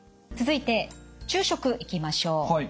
続いて昼食いきましょう。